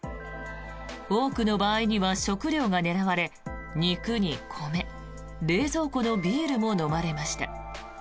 多くの場合には食料が狙われ肉に米冷蔵庫のビールも飲まれました。